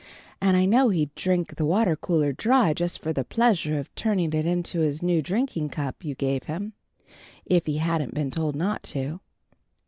And I know he'd drink the water cooler dry just for the pleasure of turning it into his new drinking cup you gave him, if he hadn't been told not to.